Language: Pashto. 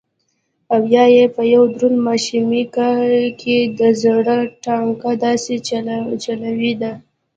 او يا يې په يو دروند ماښامي کښې دزړه تڼاکه داسې چولې ده